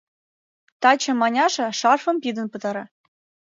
Таче Маняша шарфым пидын пытара.